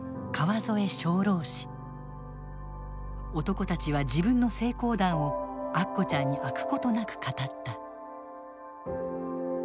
男たちは自分の成功談をアッコちゃんに飽くことなく語った。